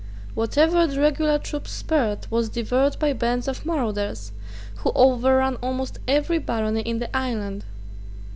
Whatever the regular troops spared was devoured by bands of marauders who overran almost every barony in the island.